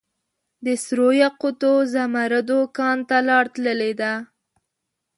دسرو یاقوتو ، زمردو کان ته لار تللي ده